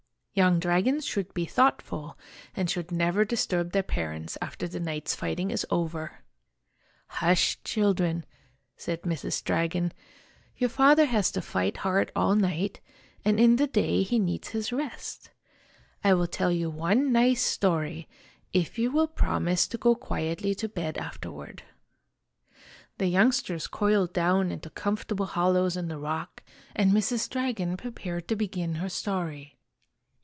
Young drag ons should be thoughtful, and should never disturb their parents after the night's fiofhtincr is over. o o o " Hush, children !" said Mrs. Dragon. " Your father has to fight hard all night, and in the day he needs his rest. I will tell you one nice story, if you will promise to go quietly to bed after ward." The youngsters coiled down into comfortable hollows in the rock, and Mrs. Dragon prepared to begin her story.